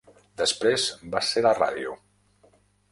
Després va ser la ràdio.